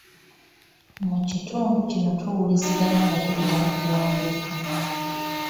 Mu kitundu kino tuwuliziganya nga tuyita mu kuwandiika.